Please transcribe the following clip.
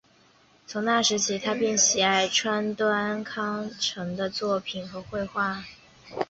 从那时起他便喜爱川端康成的作品和绘画。